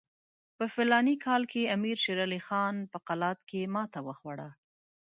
په فلاني کال کې امیر شېر علي خان په قلات کې ماته وخوړه.